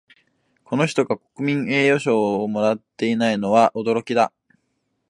この人が国民栄誉賞をもらっていないのは驚きだ